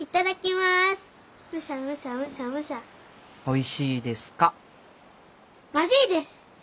まじいです！